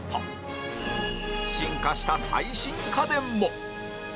進化した最新家電も